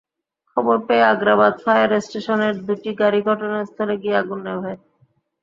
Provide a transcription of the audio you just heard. খবর পেয়ে আগ্রাবাদ ফায়ার স্টেশনের দুটি গাড়ি ঘটনাস্থলে গিয়ে আগুন নেভায়।